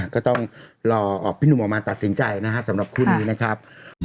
ก็ต้องรอพี่หนุ่มออกมาตัดสินใจนะครับสำหรับคู่นี้นะครับ